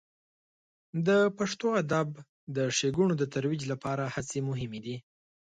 د پښتو د ادب د ښیګڼو د ترویج لپاره هڅې مهمې دي.